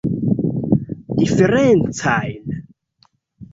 Diferencajn?